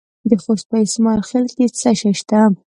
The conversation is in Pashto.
د خوست په اسماعیل خیل کې څه شی شته؟